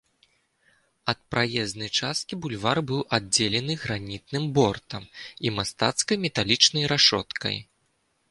Ад праезнай часткі бульвар быў аддзелены гранітным бортам і мастацкай металічнай рашоткай.